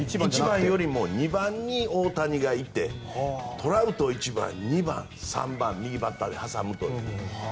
１番よりも２番に大谷がいてトラウト、１番、２番、３番右バッターで挟むという。